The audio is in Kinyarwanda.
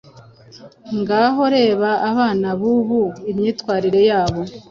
Ngaho reba abana bubu Imyitwarire yabo